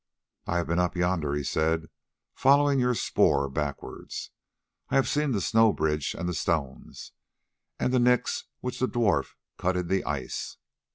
"I have been up yonder," he said, "following your spoor backwards. I have seen the snow bridge and the stones, and the nicks which the dwarf cut in the ice.